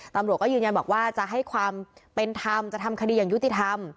ตำรวจก็ยืนยันบอกว่าจะให้ความเป็นธรรมจะทำคดีอย่างยุติธรรม